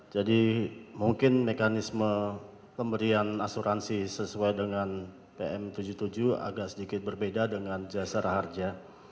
jadi mungkin mekanisme pemberian asuransi sesuai dengan pm tujuh puluh tujuh agak sedikit berbeda dengan jasa raja